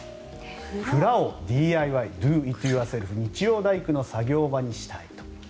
蔵をＤＩＹドゥ・イット・ユアセルフ日曜大工の作業場にしたいと。